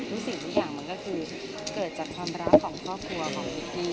สิ่งทุกอย่างมันก็คือเกิดจากความรักของครอบครัวของนิกกี้